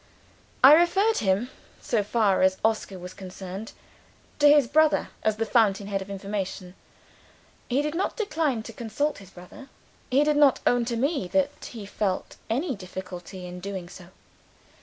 I referred him, so far as Oscar was concerned, to his brother as the fountain head of information. He did not decline to consult his brother. He did not own to me that he felt any difficulty in doing so.